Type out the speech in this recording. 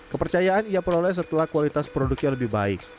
kepercayaan ia peroleh setelah kualitas produknya lebih baik